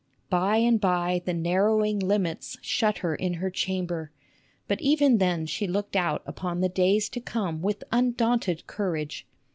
By and by the narrowing limits shut her in her chamber, but even then she looked out upon the days to come with undaunted courage.